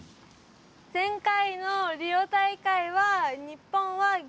前回のリオ大会は日本は、銀メダル。